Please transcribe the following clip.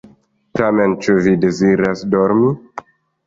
Tamen, ĉu vi deziras dormi?